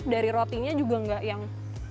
dari rotinya juga enggak yang